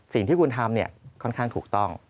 สิ่งที่คุณทำค่อนข้างถูกต้อง